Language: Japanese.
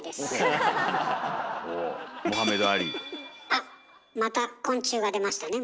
あっまた昆虫が出ましたね